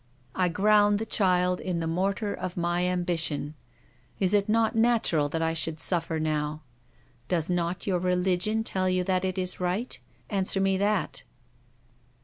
I ground the child in the mor tar of my ambition ; is it not natural that I should suffer now ? Does not your religion tell you that it is right ? Answer me that